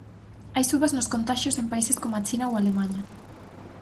Hai subas nos contaxios en países coma China ou Alemaña.